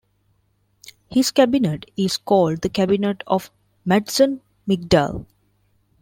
His cabinet is called the Cabinet of Madsen-Mygdal.